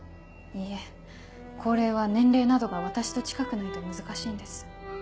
いいえ降霊は年齢などが私と近くないと難しいんです。